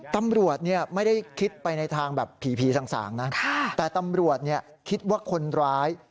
ตำรวจไม่ได้คิดไปในทางแบบผีสางนะแต่ตำรวจคิดว่าคนร้าย